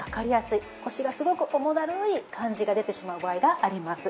腰がすごく重だるい感じが出てしまう場合があります。